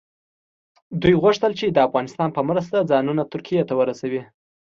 دوی غوښتل چې د افغانستان په مرسته ځانونه ترکیې ته ورسوي.